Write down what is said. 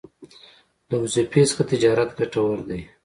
له وظيفې څخه تجارت ګټور دی